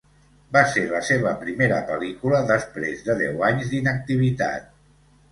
Va ser la seva primera pel·lícula després de deu anys d'inactivitat.